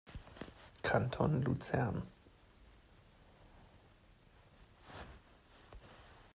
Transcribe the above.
Kanton Luzern.